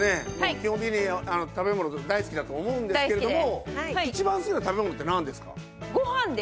基本的に食べ物大好きだと思うんですけれども一番好きな食べ物ってなんですか？